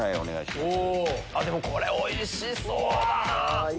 これおいしそうだなぁ。